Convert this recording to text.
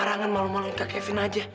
karena siapa grandmother kevin aja ya